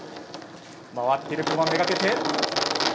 回っているこま目がけて。